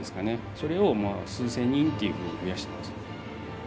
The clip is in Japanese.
それを数千人というふうに増やしてます。